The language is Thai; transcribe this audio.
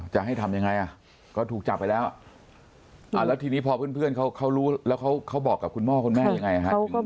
จะให้ทำยังไงอ่ะก็ถูกจับไปแล้วแล้วทีนี้พอเพื่อนเขารู้แล้วเขาบอกกับคุณพ่อคุณแม่ยังไงฮะ